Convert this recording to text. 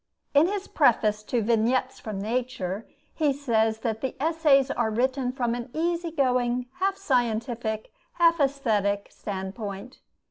In his preface to 'Vignettes from Nature,' he says that the "essays are written from an easy going, half scientific half aesthetic standpoint."